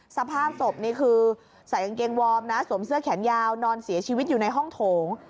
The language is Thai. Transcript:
สภาพศพนี่คือใส่กางเกงวอร์มนะสวมเสื้อแขนยาวนอนเสียชีวิตอยู่ในห้องโถง